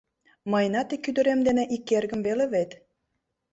Мыйынат ик ӱдырем ден ик эргым веле вет.